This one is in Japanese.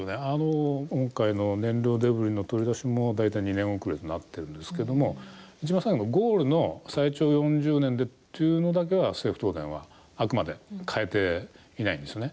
今回の燃料デブリの取り出しも大体２年遅れとなってるんですけども一番最後のゴールの最長４０年でっていうのだけは政府・東電はあくまで変えていないんですよね。